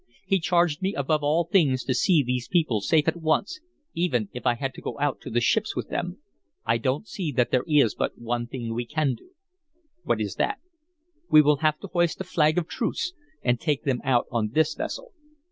He charged me above all things to see these people safe at once, even if I had to go out to the ships with them. I don't see that there is but one thing we can do." "What is it?" "We will have to hoist a flag of truce and take them out on this vessel."